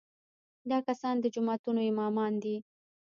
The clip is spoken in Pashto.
دا کسان د جوماتونو امامان دي.